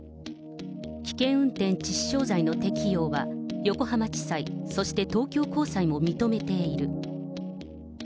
危険運転致死傷罪の適用は、横浜地裁そして東京高裁も認めている。